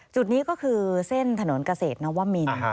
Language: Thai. จุดนี้ก็คือเส้นถนนเกษตรนวมิน